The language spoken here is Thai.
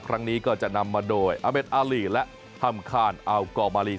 ครั้งนี้ก็จะนำมาโดยอเมดอารีและฮัมคานอัลกอมาลี